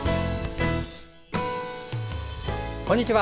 こんにちは。